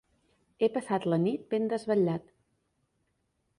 He passat la nit ben desvetllat.